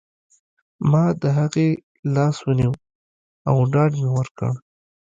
ما د هغې لاس ونیو او ډاډ مې ورکړ